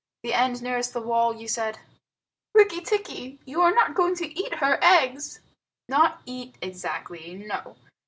The end nearest the wall, you said?" "Rikki tikki, you are not going to eat her eggs?" "Not eat exactly; no.